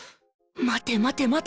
待て待て待て！